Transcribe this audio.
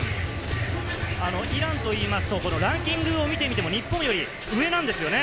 イランというと、ランキングを見ると、日本より上なんですよね。